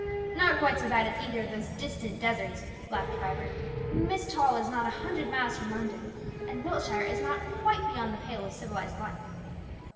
"Not quite so bad as either of those distant deserts," laughed Vibert. "Myst Hall is not a hundred miles from London, and Wiltshire is not quite beyond the pale of civilized life."